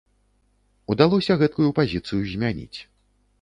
Удалося гэткую пазіцыю змяніць.